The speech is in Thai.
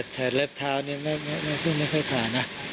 แผลเล็บเท้านี่ซึ่งไม่ค่อยถานะ